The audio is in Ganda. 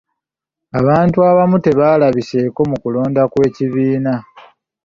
Abantu abamu tebaalabiseeko mu kulonda kw'ekibiina.